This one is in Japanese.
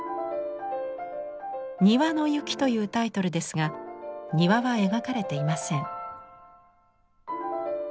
「庭の雪」というタイトルですが庭は描かれていません。